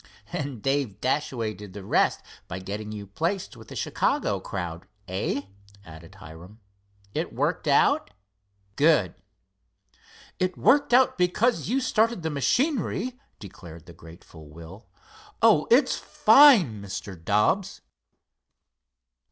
"And Dave Dashaway did the rest by getting you placed with the Chicago crowd; eh?" added Hiram. "It worked out? Good!" "It worked out because you started the machinery," declared the grateful Will. "Oh, it's fine, Mr. Dobbs."